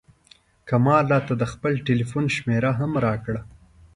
کمال راته د خپل ټیلفون شمېره هم راکړه.